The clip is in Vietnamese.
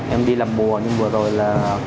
em đi làm bùa nhưng vừa rồi là